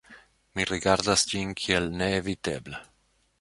Mi rigardas ĝin kiel neevitebla.